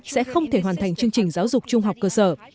sẽ không thể hoàn thành chương trình giáo dục trung học cơ sở